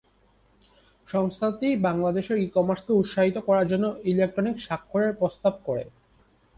সংস্থাটি বাংলাদেশে ই-কমার্সকে উৎসাহিত করার জন্য ইলেকট্রনিক স্বাক্ষরের প্রস্তাব করে।